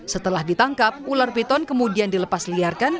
setelah ditangkap ular piton kemudian dilepas liarkan